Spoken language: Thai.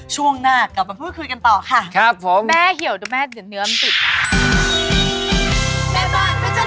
ช่วงหน้ากลับมาพูดคุยกันต่อค่ะ